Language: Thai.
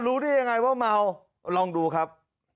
รู้ได้ยังไงว่าเมาลองดูครับ